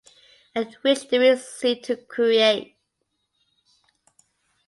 And which do we seek to create?